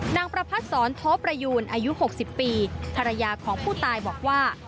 นางประพัทย์สอนโทประยูนอายุหกสิบปีธรรยาของผู้ตายบอกว่า